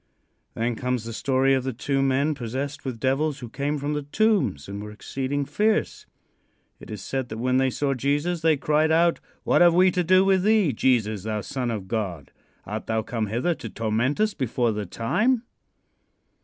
Then comes the story of the two men possessed with devils who came from the tombs, and were exceeding fierce. It is said that when they saw Jesus they cried out: "What have we to do with thee, Jesus, thou Son of God? Art thou come hither to torment us before the time?"